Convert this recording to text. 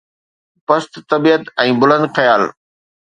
پست طبيعت ۽ بلند خيال